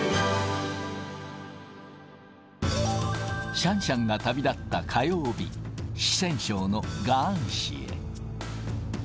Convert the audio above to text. シャンシャンが旅立った火曜日、四川省の雅安市へ。